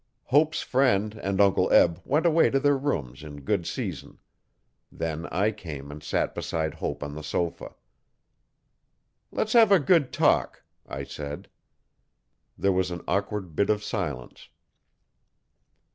Hope's friend and Uncle Eb went away to their rooms in good season. Then I came and sat beside Hope on the sofa. 'Let's have a good talk,' I said. There was an awkward bit of silence.